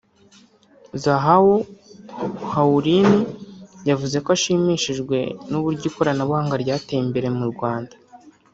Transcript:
Zhao Houlin yavuze ko ashimishijwe n’ uburyo ikoranabuhanga ryateye imbere mu Rwanda